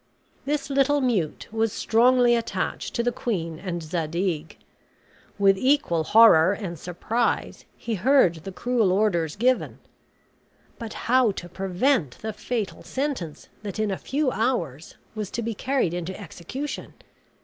This little mute was strongly attached to the queen and Zadig. With equal horror and surprise he heard the cruel orders given. But how to prevent the fatal sentence that in a few hours was to be carried into execution!